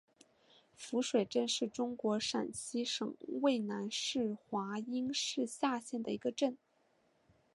夫水镇是中国陕西省渭南市华阴市下辖的一个镇。